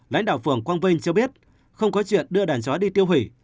lãnh đạo phường quang vinh cho biết không có chuyện đưa đàn chó đi tiêu hủy